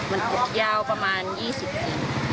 มันยาวประมาณ๒๐ถึง